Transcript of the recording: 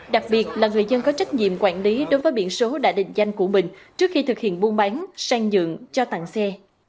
đặc biệt là người dân có trách nhiệm quản lý đối với biển số đã định danh của mình trước khi thực hiện buôn bán sang dựng cho tặng xe